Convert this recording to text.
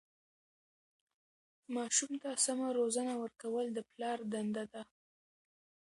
ماسوم ته سمه روزنه ورکول د پلار دنده ده.